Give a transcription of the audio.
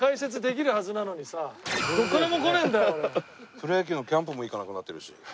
プロ野球のキャンプも行かなくなってるし。